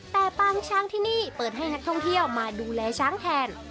แต่ปางช้างที่นี่เปิดให้นักท่องเที่ยวมาดูแลช้างแทน